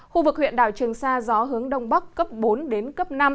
khu vực huyện đảo trường sa gió hướng đông bắc cấp bốn đến cấp năm